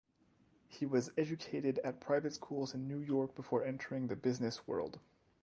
He was educated at private schools in New York before entering the business world.